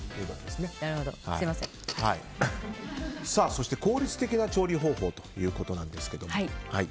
そして、効率的な調理方法ということなんですけども。